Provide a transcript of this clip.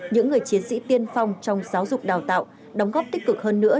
những người chiến sĩ tiên phong trong giáo dục đào tạo đóng góp tích cực hơn nữa